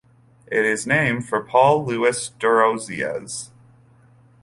It is named for Paul Louis Duroziez.